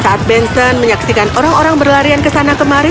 saat benson menyaksikan orang orang berlarian ke sana kemarin